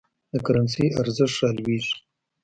د کرنسۍ ارزښت رالویږي.